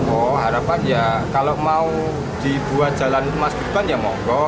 oh harapan ya kalau mau dibuat jalan mas gibran ya monggo